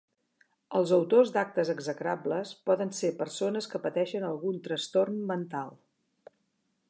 Els autors d'actes execrables poden ser persones que pateixen algun trastorn mental.